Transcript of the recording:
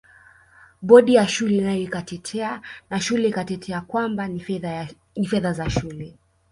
Bodi ya shule nayo ikatetea na shule ikatetea kwamba ni fedha za shule